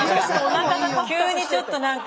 急にちょっとなんか。